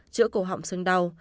chữa cổ họng sưng đau